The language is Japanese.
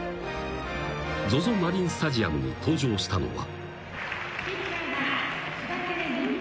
［ＺＯＺＯマリンスタジアムに登場したのは］